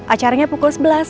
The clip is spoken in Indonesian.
acaranya pukul sebelas